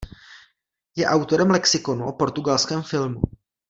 Je autorem lexikonu o portugalském filmu.